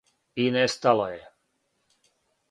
И нестало је.